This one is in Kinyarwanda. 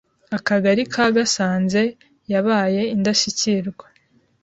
Akagali ka Gasanze yabaye Indashyikirwa